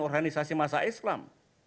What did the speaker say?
organisasi masa islam